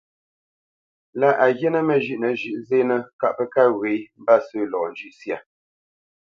Lâ a ghíínə̂ məzhʉ́ʼnə zhʉ̌ʼ zénə́ kâʼ pə́ kâ wě mbâsə̂ lɔ njʉ̂ʼ syâ.